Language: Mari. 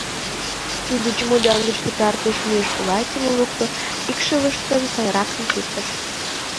Тудо чемодан гыч пытартыш меж платьым лукто, икшывыштым сайракын чиктыш.